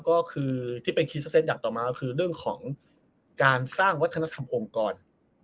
ก็คือที่เป็นครีเซตอย่างต่อมาก็คือเรื่องของการสร้างวัฒนธรรมองค์กร